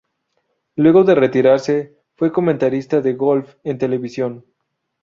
Luego de retirarse, fue comentarista de golf en televisión.